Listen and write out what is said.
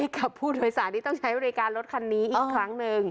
กับผู้โดยสารที่ต้องใช้บริการรถคันนี้อีกครั้งหนึ่ง